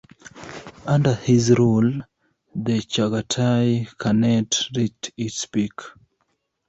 Under his rule, the Chagatai Khanate reached its peak.